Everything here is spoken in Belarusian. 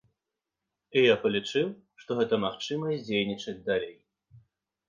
І я палічыў, што гэта магчымасць дзейнічаць далей.